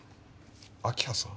明葉さん？